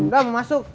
gak mau masuk